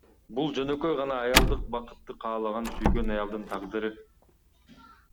Бул жөнөкөй гана аялдык бакытты каалаган сүйгөн аялдын тагдыры.